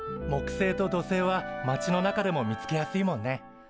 木星と土星は町の中でも見つけやすいもんね。